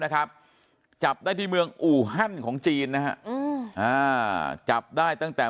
นะครับจับได้ที่เมืองอูฮันของจีนนะฮะจับได้ตั้งแต่